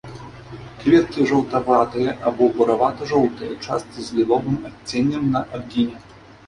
Кветкі жаўтаватыя або буравата-жоўтыя, часта з ліловым адценнем на адгіне.